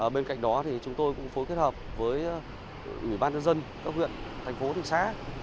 bên cạnh đó thì chúng tôi cũng phối kết hợp với ủy ban nhân dân các huyện thành phố thị xã